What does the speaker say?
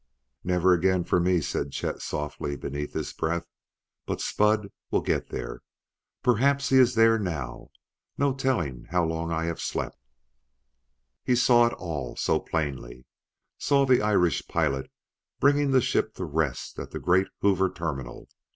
"Never again for me!" said Chet softly beneath his breath. "But Spud will get there. Perhaps he is there now no telling how long I have slept!" He saw it all so plainly: saw the Irish pilot bringing the ship to rest at the great Hoover Terminal.